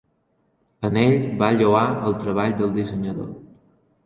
En ell va lloar el treball del dissenyador.